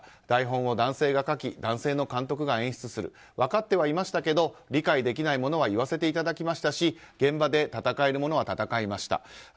台本を男性が書き男性の監督が演出する分かってはいましたが理解できないものは言わせていただきましたし現場で戦えるものは戦いました。